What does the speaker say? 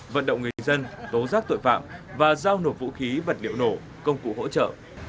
vận động người dân tố giác tội phạm và giao nộp vũ khí vật liệu nổ công cụ hỗ trợ